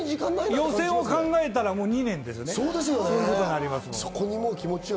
予選を考えたらもう２年ですね。